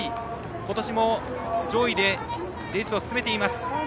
今年も上位でレースを進めています。